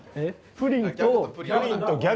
プリンと。